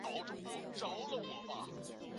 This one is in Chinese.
蓬莱虱蚜为扁蚜科雕胸扁蚜属下的一个种。